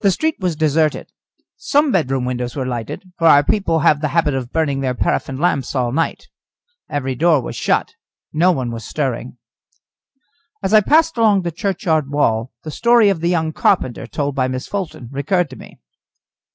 The street was deserted. Some bedroom windows were lighted, for our people have the habit of burning their paraffin lamps all night. Every door was shut, no one was stirring. As I passed along the churchyard wall, the story of the young carpenter, told by Miss Fulton, recurred to me.